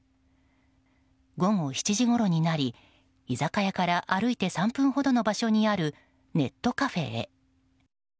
午後７時ごろになり、居酒屋から歩いて３分ほどの場所にあるネットカフェへ。